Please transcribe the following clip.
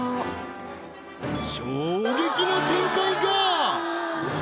衝撃の展開が！